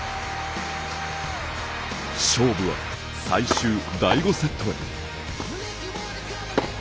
勝負は最終、第５セットへ。